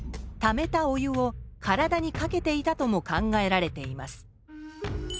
ためたお湯を体にかけていたとも考えられています。